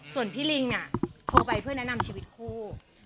ส่วนพี่ลิงโทรไปเพื่อแนะนำชีวิตคู่